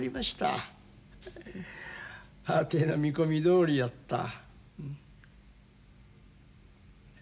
わての見込みどおりやった。